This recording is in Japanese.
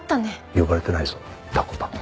呼ばれてないぞたこパ。